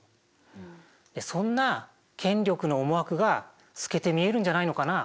そんな権力の思惑が透けて見えるんじゃないのかな。